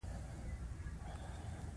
د همدې رسنیو ټولنیز چلن در یادوم.